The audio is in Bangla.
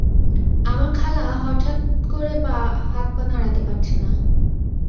আমার খালা হঠাৎ করে হাত পা নাড়াতে পারছে না।